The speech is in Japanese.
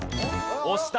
押した。